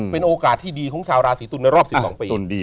เป็นโอกาสที่ดีของชาวราศีตุลในรอบ๑๒ปี